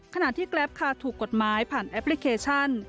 ขณะที่แกรปคาถูกกฎหมายผ่านแอปพลิเคชัน